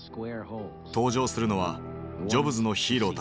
登場するのはジョブズのヒーローたち。